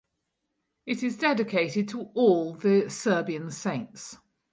It is dedicated to all the Serbian saints.